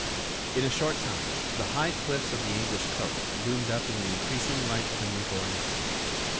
In a short time the high cliffs of the English coast loomed up in the increasing light of a new born day.